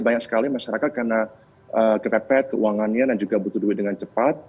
banyak sekali masyarakat karena kepepet keuangannya dan juga butuh duit dengan cepat